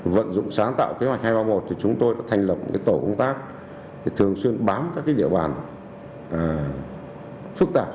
vận dụng sáng tạo kế hoạch hai trăm ba mươi một thì chúng tôi đã thành lập tổ công tác thường xuyên bám các địa bàn phức tạp